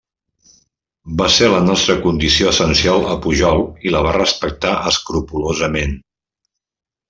Va ser la nostra condició essencial a Pujol i la va respectar escrupolosament.